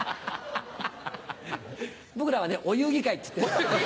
僕らはねお遊戯会って言ってるの。